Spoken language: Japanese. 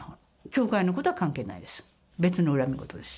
教会のことは関係ないです。